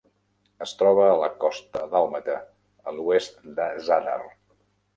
Es troba a la costa dàlmata, a l'oest de Zadar.